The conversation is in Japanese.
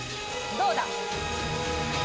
どうだ？